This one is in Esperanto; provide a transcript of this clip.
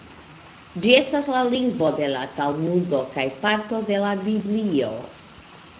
Ĝi estas la lingvo de la Talmudo kaj parto de la Biblio.